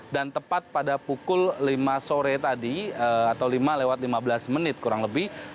dan tepat pada pukul lima sore tadi atau lima lewat lima belas menit kurang lebih